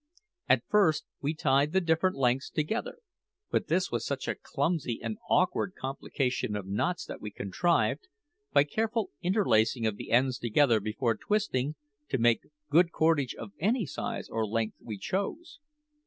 At first we tied the different lengths together; but this was such a clumsy and awkward complication of knots that we contrived, by careful interlacing of the ends together before twisting, to make good cordage of any size or length we chose.